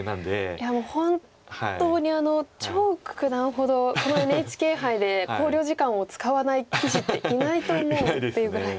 いやもう本当に張九段ほどこのＮＨＫ杯で考慮時間を使わない棋士っていないと思うっていうぐらい。